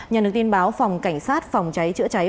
nhà nước tin báo phòng cảnh sát phòng cháy chữa cháy